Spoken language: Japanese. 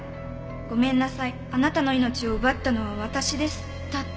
「“ごめんなさいあなたの命を奪ったのは私です”だって！」